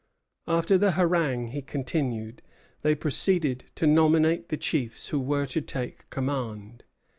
"After the harangue," he continues, "they proceeded to nominate the chiefs who were to take command.